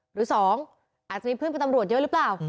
หรือ๒อาจจะมีเพื่อนเป็นตำรวจเยอะหรือเปล่า